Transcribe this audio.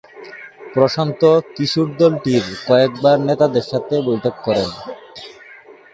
প্রশান্ত কিশোর দলটির কয়েকবার নেতাদের সাথে বৈঠক করেন।